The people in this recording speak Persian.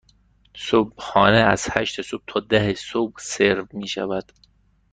صبحانه از هشت صبح تا ده صبح سرو می شود.